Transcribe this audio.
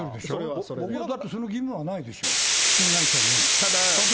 だってその義務はないでしょう、新会社に。